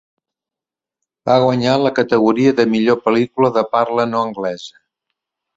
Va guanyar en la categoria de Millor pel·lícula de parla no anglesa.